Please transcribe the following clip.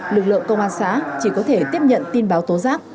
lực lượng công an xã chỉ có thể tiếp nhận tin báo tố giác